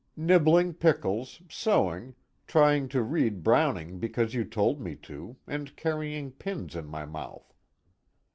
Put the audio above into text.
"Nibbling pickles, sewing, trying to read Browning because you told me to, and carrying pins in my mouth."